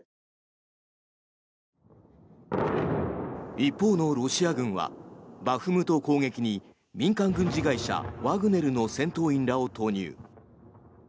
一方のロシア軍はバフムト攻撃に民間軍事会社ワグネルの戦闘員らを投入。